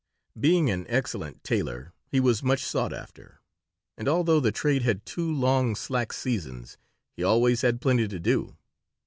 Being an excellent tailor, he was much sought after, and although the trade had two long slack seasons he always had plenty to do.